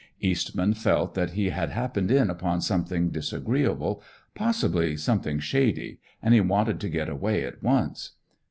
Eastman felt that he had happened in upon something disagreeable, possibly something shady, and he wanted to get away at once.